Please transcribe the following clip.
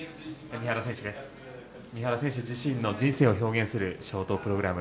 三原選手自身の人生を表現するショートプログラム。